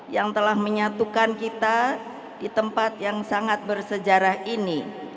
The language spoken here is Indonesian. yang telah menyatukan kita di tempat yang sangat bersejarah ini